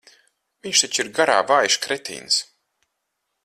Viņš taču ir garā vājš kretīns.